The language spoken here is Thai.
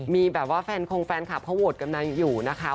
มีแบบว่าแฟนคงแฟนคลับเขาโหวตกับนายอยู่นะคะ